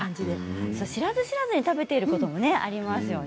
知らず知らずに食べていることありますよね。